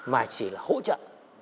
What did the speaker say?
mà chỉ là hỗ trợ